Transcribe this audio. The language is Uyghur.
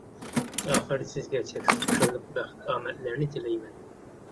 ئاخىرىدا سىزگە چەكسىز خۇشاللىق، بەخت ئامەتلەرنى تىلەيمەن!